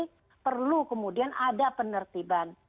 diperburu oleh kejahatan yang tersibam